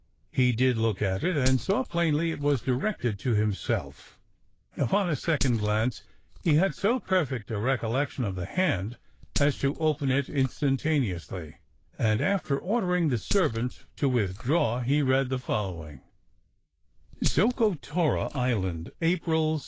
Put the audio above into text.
He did look at it, and saw plainly it was directed to himself. Upon a second glance, he had so perfect a recollection of the hand, as to open it instantaneously; and, after ordering the servant to withdraw, he read the following: "ZOCOTORA ISLAND, April 6.